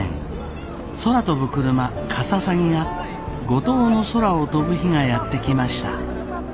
空飛ぶクルマかささぎが五島の空を飛ぶ日がやって来ました。